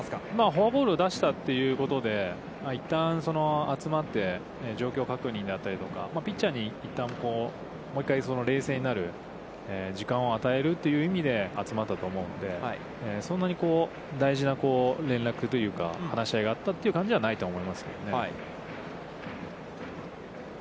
フォアボールを出したということで、一旦集まって、状況確認であったりとか、ピッチャーに一旦、もう一回、冷静になる時間を与えるという意味で集まったと思うので、そんなに大事な連絡というか、話し合いがあったという感じではないと思いますね。